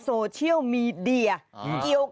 โอ้โห